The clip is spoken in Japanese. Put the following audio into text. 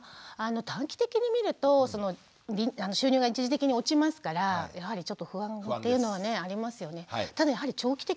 短期的に見ると収入が一時的に落ちますからやはりちょっと不安っていうのはねありますよね。